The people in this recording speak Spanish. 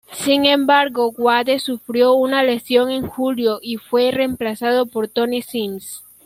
Sin embargo, Wade sufrió una lesión en julio y fue reemplazado por Tony Sims.